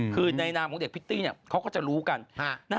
คือในนามของเด็กพิตตี้เขาก็จะรู้กัน